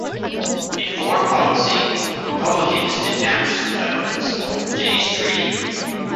In foreign policy, Republicans denounced the Federalists over Jay's Treaty.